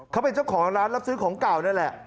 เขาเป็นเจ้าของร้านรับซื้อของเก่านั่นแหละ